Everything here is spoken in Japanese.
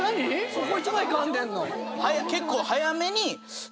そこ一枚かんでんの？